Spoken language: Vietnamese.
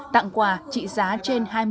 tặng quà trị giá trên hai mươi tỷ đồng